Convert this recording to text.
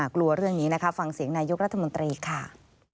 กลัวเรื่องนี้นะคะฟังเสียงนายกรัฐมนตรีค่ะ